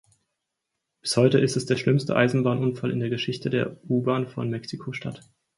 Bis heute ist es der schlimmste Eisenbahnunfall in der Geschichte der U-Bahn von Mexiko-Stadt.